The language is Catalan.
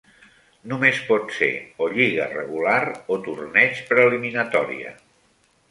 Només pot ser o lliga regular o torneig per eliminatòria.